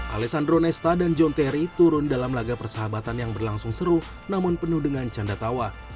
alessandro nesta dan john terry turun dalam laga persahabatan yang berlangsung seru namun penuh dengan canda tawa